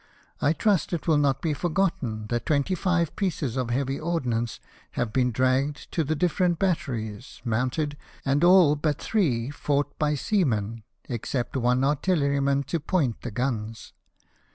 I trust it will not be forgotten that twenty five pieces of heavy ordnance have been dragged to the different batteries, mounted, and, all but three, fought by seamen, except one artilleryman to point the guns."